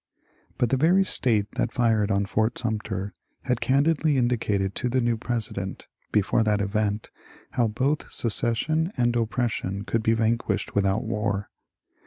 But the very State that fired on Fort Sumter had can didly indicated to the new President, before that event, how both secession and oppression could be vanquished without war.